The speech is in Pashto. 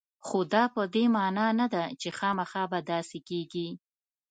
خو دا په دې معنا نه ده چې خامخا به داسې کېږي